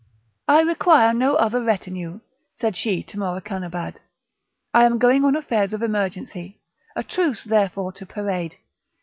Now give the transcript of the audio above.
"I require no other retinue," said she to Morakanabad; "I am going on affairs of emergency; a truce therefore to parade!